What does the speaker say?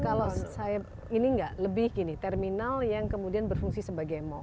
kalau saya ini nggak lebih gini terminal yang kemudian berfungsi sebagai mall